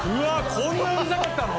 こんなうるさかったの？